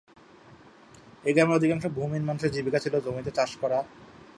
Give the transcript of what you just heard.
এই গ্রামের অধিকাংশ ভূমিহীন মানুষের জীবিকা ছিল অন্যের জমিতে চাষ করা।